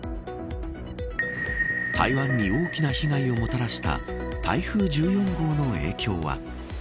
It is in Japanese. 台湾に大きな被害をもたらした台風１４号の影響は。